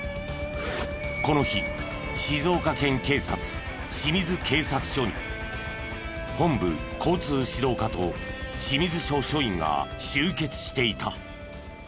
この日静岡県警察清水警察署に本部交通指導課と清水署署員が集結していた。